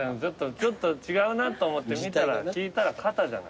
ちょっと違うなと思って見たら引いたら「片」じゃない。